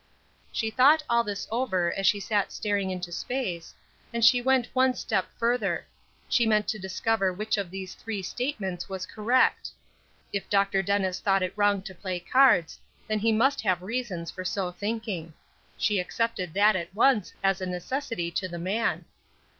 She thought all this over as she sat staring into space, and she went one step further she meant to discover which of these three statements was correct. If Dr. Dennis thought it wrong to play cards, then he must have reasons for so thinking. She accepted that at once as a necessity to the man.